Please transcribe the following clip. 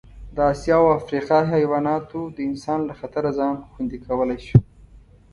د اسیا او افریقا حیواناتو د انسان له خطره ځان خوندي کولی شو.